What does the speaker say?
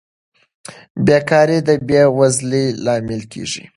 بېکاري د بې وزلۍ لامل کیږي.